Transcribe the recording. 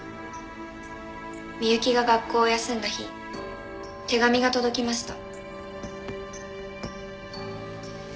美雪が学校を休んだ日手紙が届きました。